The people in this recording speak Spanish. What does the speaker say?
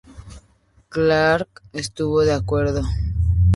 Clark estuvo de acuerdo.